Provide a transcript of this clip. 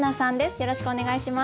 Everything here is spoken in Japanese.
よろしくお願いします。